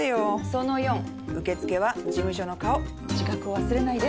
その４「受付は事務所の顔」自覚を忘れないで。